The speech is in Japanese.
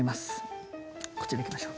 こっちからいきましょう。